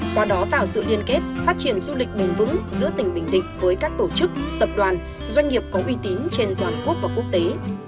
qua đó tạo sự liên kết phát triển du lịch bền vững giữa tỉnh bình định với các tổ chức tập đoàn doanh nghiệp có uy tín trên toàn quốc và quốc tế